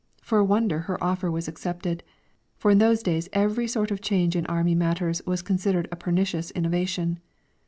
For a wonder her offer was accepted, for in those days every sort of change in Army matters was considered a pernicious innovation.